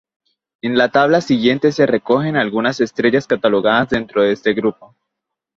En la tabla siguiente se recogen algunas estrellas catalogadas dentro de este grupo.